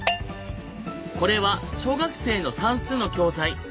これは小学生の算数の教材。